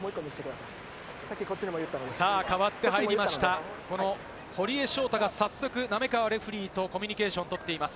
代わって入りました、この堀江翔太が早速、滑川レフェリーとコミュニケーションをとっています。